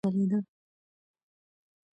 د سکرین په شاه کې د کپ شوې مڼې عکس ځلېده.